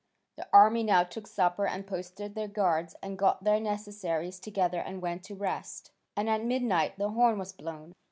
The army now took supper and posted their guards and got their necessaries together and went to rest. And at midnight the horn was blown.